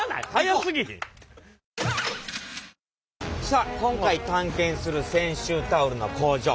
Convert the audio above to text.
さあ今回探検する泉州タオルの工場